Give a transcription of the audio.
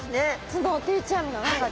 その定置網の中で？